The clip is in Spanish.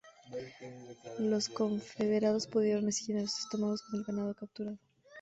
Los Confederados pudieron así llenar sus estómagos con el ganado capturado.